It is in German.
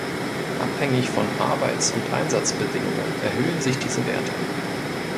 Abhängig von Arbeits- und Einsatzbedingungen erhöhen sich diese Werte.